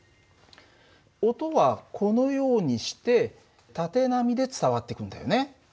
音はこのようにして縦波で伝わってくんだよね。